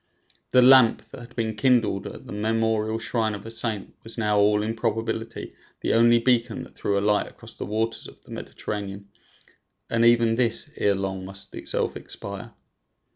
The lamp that had been kindled at the memorial shrine of a saint was now in all probability the only beacon that threw a light across the waters of the Mediterranean, and even this ere long must itself expire.